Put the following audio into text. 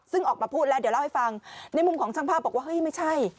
ซึ่งออกมาพูดแล้วเดี๋ยวเล่าให้ฟังในมุมของช่างภาพบอกว่าเฮ้ยไม่ใช่